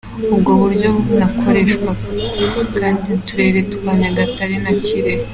Ubwo buryo bunakoreshwa kandi mu turere twa Nyagatare na Kirehe.